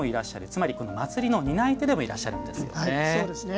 つまり、祭りの担い手でもいらっしゃるんですよね。